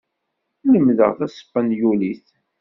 Lemmdeɣ taspanyulit.